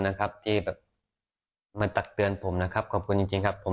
นะครับที่แบบมาตักเตือนผมนะครับขอบคุณจริงจริงครับผม